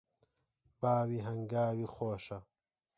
باوی هەنگاوی خۆشە